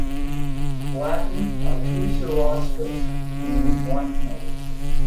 Latin "obtusirostris" means "blunt-nosed".